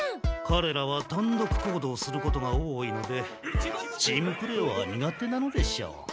かれらは単独行動することが多いのでチームプレーは苦手なのでしょう。